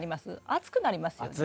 暑くなりますよね。